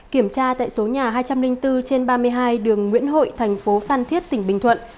kiểm tra tại số nhà hai trăm linh bốn trên ba mươi hai đường nguyễn hội thành phố phan thiết tỉnh bình thuận